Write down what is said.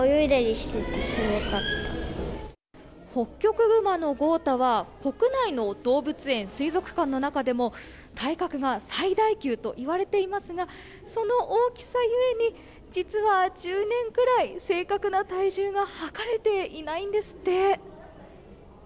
ホッキョクグマの豪太は国内の動物園、水族館の中でも体格が最大級といわれていますがその大きさゆえに実は１０年ぐらい正確な体重が測れていないんですって。